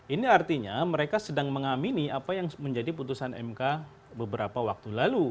ini artinya mereka sedang mengamini apa yang menjadi putusan mk beberapa waktu lalu